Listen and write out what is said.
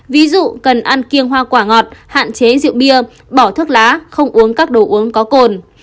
ví dụ cần ăn kiêng hoa quả ngọt hạn chế rượu bia bỏ thuốc lá không uống các đồ uống có cồn